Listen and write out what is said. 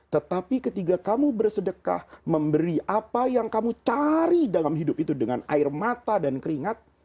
tetapi ketika kamu bersedekah memberi apa yang kamu cari dalam hidup itu dengan air mata dan keringat